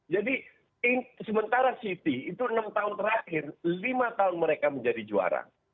jadi sementara city itu enam tahun terakhir lima tahun mereka menjadi juara